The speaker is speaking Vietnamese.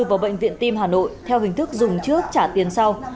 vào bệnh viện tim hà nội theo hình thức dùng trước trả tiền sau